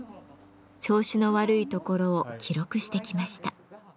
調子の悪いところを記録してきました。